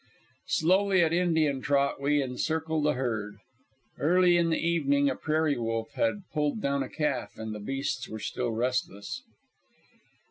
Slowly at Indian trot we encircle the herd. Earlier in the evening a prairie wolf had pulled down a calf, and the beasts were still restless.